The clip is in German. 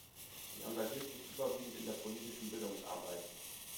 Sie engagiert sich überwiegend in der politischen Bildungsarbeit.